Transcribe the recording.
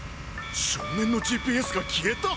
少年のＧＰＳが消えた！？